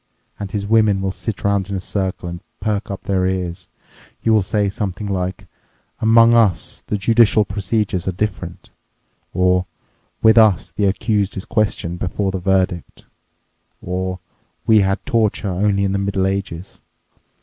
And his women will sit around in a circle and perk up their ears. You will say something like, 'Among us the judicial procedures are different,' or 'With us the accused is questioned before the verdict,' or 'We had torture only in the Middle Ages.